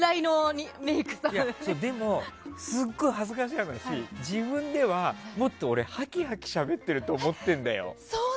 でも、すごい恥ずかしい話自分では、もっと俺はきはきしゃべってると思っているんだよ。